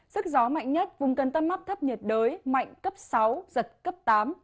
sức gió mạnh nhất vùng gần tâm áp thấp nhiệt đới mạnh cấp sáu giật cấp tám